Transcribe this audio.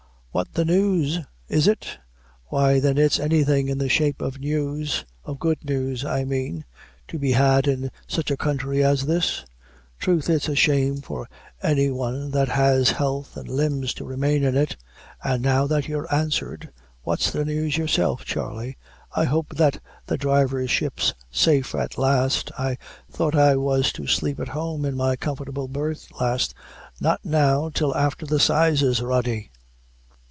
"What the news, is it? Why then is anything in the shape of news of good news I mean to be had in such a counthry as this? Troth it's a shame for any one that has health an' limbs to remain in it. An' now that you're answered, what's the news yourself, Charley? I hope that the Drivership's safe at last, I thought I was to sleep at home in my comfortable berth last " "Not now till afther the 'sizes, Rody."